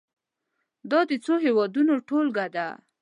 دا د څو هېوادونو ټولګه ده.